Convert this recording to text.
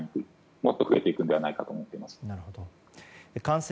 もっと増えていくのではないかと思っています。